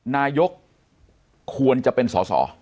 นายกควรจะเป็นสอสอ